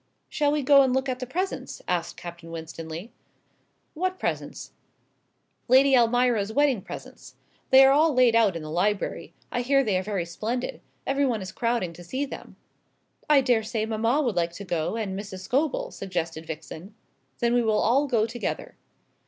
"Shall we go and look at the presents?" asked Captain Winstanley. "What presents?" "Lady Almira's wedding presents. They are all laid out in the library. I hear they are very splendid. Everybody is crowding to see them." "I daresay mamma would like to go, and Mrs. Scobel," suggested Vixen. "Then we will all go together."